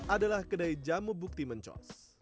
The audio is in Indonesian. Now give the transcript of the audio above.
adalah kedai jamu bukti mencos